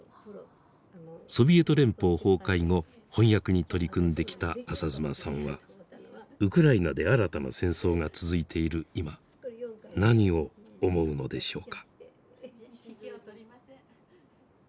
ソビエト連邦崩壊後翻訳に取り組んできた浅妻さんはウクライナで新たな戦争が続いている今何を思うのでしょうか。